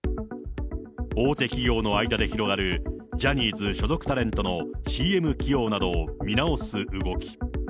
大手企業の間で広がる、ジャニーズ所属タレントのＣＭ起用などを見直す動き。